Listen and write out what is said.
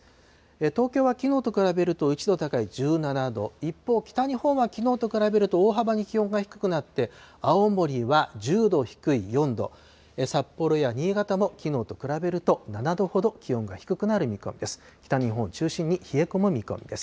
東京はきのうと比べると１度高い１７度、一方、北日本はきのうと比べると大幅に気温が低くなって、青森は１０度低い４度、札幌や新潟も、きのうと比べると７度ほど気温が低くなる見込みです。